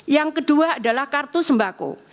yang kedua adalah kartu sembako